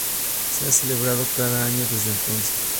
Se ha celebrado cada año desde entonces.